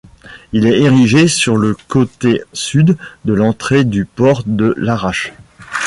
Il est érigé sur le côté sud de l'entrée du port de Larache.